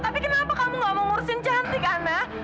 tapi kenapa kamu nggak mau ngurusin cantik ana